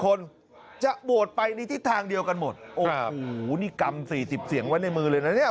คนจะโหวตไปในทิศทางเดียวกันหมดโอ้โหนี่กำ๔๐เสียงไว้ในมือเลยนะเนี่ย